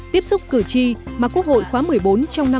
tiếp xúc cử tri mà quốc hội khóa một mươi bốn trong năm hai nghìn một mươi tám